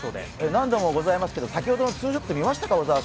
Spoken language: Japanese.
何度もございますけど、先ほどのツーショット見ましたか？